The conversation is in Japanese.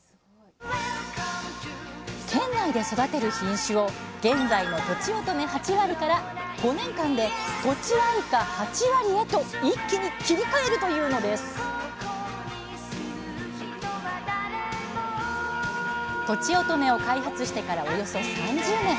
県内で育てる品種を現在のとちおとめ８割から５年間でとちあいか８割へと一気に切り替えるというのですとちおとめを開発してからおよそ３０年。